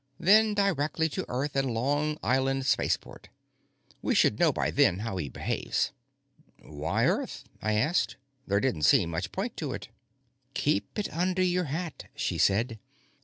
Then directly to Earth and Long Island Spaceport. We should know by then how he behaves." "Why Earth?" I asked. There didn't seem much point to it. "Keep it under your hat," she said.